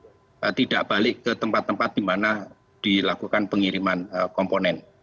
kemarin dalam pandemi itu tidak balik ke tempat tempat dimana dilakukan pengiriman komponen